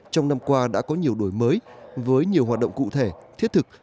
trong năm qua đã có nhiều đổi mới với nhiều hoạt động cụ thể thiết thực